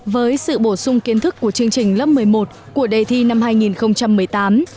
với sự bổ sung kiến thức của chương trình lớp một mươi một của đề thi năm hai nghìn một mươi tám